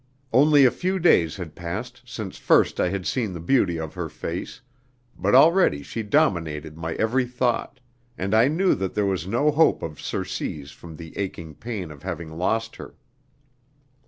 Only a few days had passed since first I had seen the beauty of her face, but already she dominated my every thought, and I knew that there was no hope of surcease from the aching pain of having lost her.